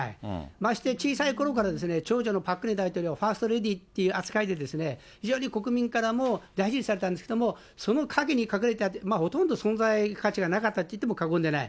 まして小さいころから長女のパク・クネ大統領、ファーストレディーっていう扱いで、非常に国民からも大事にされたんですけども、その陰に隠れて、ほとんど存在価値がなかったって言っても過言ではない。